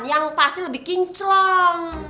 yang pasti lebih kinclong